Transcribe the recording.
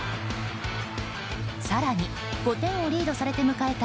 更に、５点をリードされて迎えた